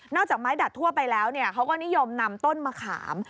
จากไม้ดัดทั่วไปแล้วเขาก็นิยมนำต้นมะขาม